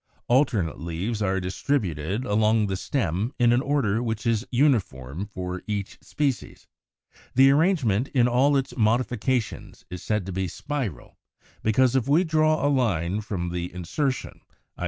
= Alternate leaves are distributed along the stem in an order which is uniform for each species. The arrangement in all its modifications is said to be spiral, because, if we draw a line from the insertion (i.